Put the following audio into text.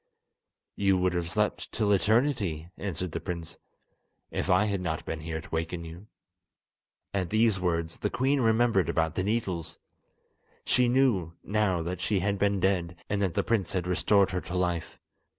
"You would have slept till eternity," answered the prince, "if I had not been here to waken you." At these words the queen remembered about the needles. She knew now that she had been dead, and that the prince had restored her to life.